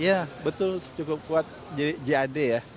iya betul cukup kuat jadi jad ya